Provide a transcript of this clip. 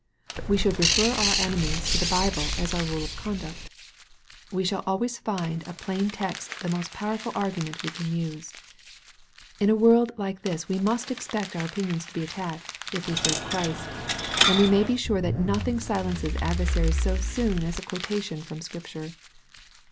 We should refer our enemies to the Bible as our rule of conduct. We shall always find a plain text the most powerful argument we can use. In a world like this we must expect our opinions to be attacked, if we serve Christ, and we may be sure that nothing si lences adversaries so soon as a quotation from Scripture.